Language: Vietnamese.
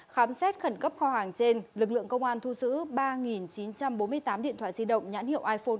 khám xét khẩn cấp kho hàng trên lực lượng công an thu giữ ba chín trăm bốn mươi tám điện thoại di động nhãn hiệu iphone